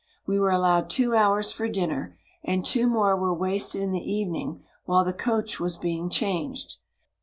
We were allowed two hours for dinner, and two more were wasted in the evening while the coach was being changed.